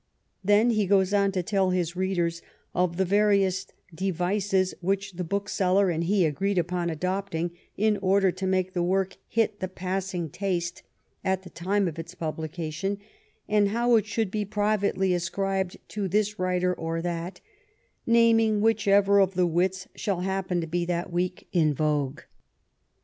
Then he goes on to tell his readers of the various devices which the bookseller and he agreed upon adopting in order to make the work hit the passing taste at the time of its publication, and how it should be privately ascribed to this writer or to that, " naming whichever of the wits shall happen to be that week in vogue."